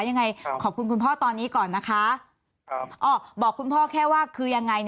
ยังไงขอบคุณคุณพ่อตอนนี้ก่อนนะคะครับอ๋อบอกคุณพ่อแค่ว่าคือยังไง